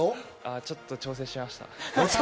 ちょっと調整しました。